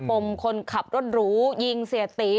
มคนขับรถหรูยิงเสียตี